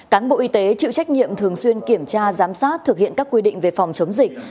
cán bộ y tế chịu trách nhiệm thường xuyên kiểm tra giám sát thực hiện các quy định về phòng chống dịch